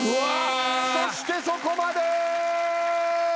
そしてそこまで！